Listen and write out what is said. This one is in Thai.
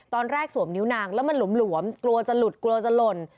สวมนิ้วนางแล้วมันหลวมกลัวจะหลุดกลัวจะหล่น